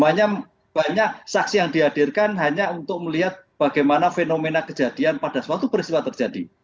hanya banyak saksi yang dihadirkan hanya untuk melihat bagaimana fenomena kejadian pada suatu peristiwa terjadi